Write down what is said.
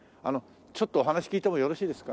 ちょっとお話聞いてもよろしいですか？